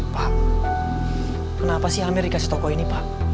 pak kenapa sih hampir dikasih toko ini pak